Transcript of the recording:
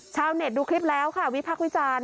ชาวเน็ตดูคลิปแล้วค่ะวิพักษ์วิจารณ์